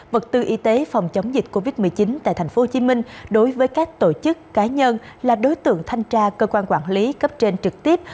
vật tư y tế phòng chống dịch covid một mươi chín tại tp hcm đối với các tổ chức cá nhân là đối tượng thanh tra cơ quan quản lý cấp trên trực tiếp